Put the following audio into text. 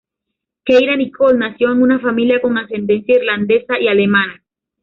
Keira Nicole nació en una familia con ascendencia irlandesa y alemana.